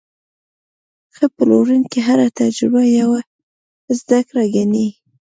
ښه پلورونکی هره تجربه یوه زده کړه ګڼي.